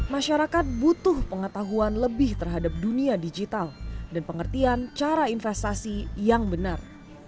masyarakat butuh pengetahuan lebih terhadap dunia digital dan pengertian cara investasi yang benar